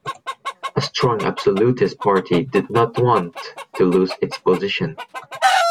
A strong absolutist party did not want to lose its position.